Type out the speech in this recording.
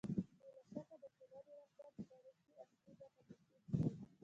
بې له شکه د ټولنې واکمن پاړکي اصلي ګټه اخیستونکي وو